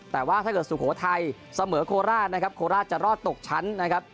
แต่ว่าถ้าเกิดสุโขทัยเสมอโคราชนะครับโคราชจะรอดตกชั้นนะครับ